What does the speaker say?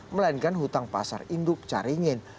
melainkan hutang pasar induk caringin